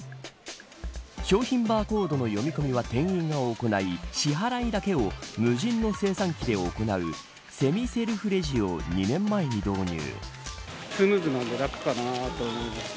商品バーコードの読み込みは店員が行い支払いだけを無人の精算機で行うセミセルフレジを２年前に導入。